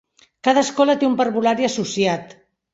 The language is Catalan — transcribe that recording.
Cada escola té un parvulari associat.